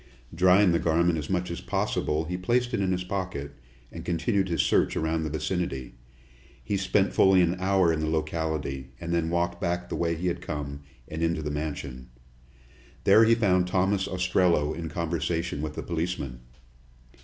Drying the garment as much as possible, he placed it in his pocket, and continued his search around the vicinity. He spent fully an hour in the locality, and then walked back the way he had come, and into the mansion. There he found Thomas Ostrello in conversation with the policeman.